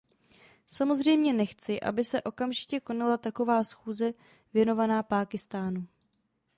Samozřejmě nechci, aby se okamžitě konala taková schůze věnovaná Pákistánu.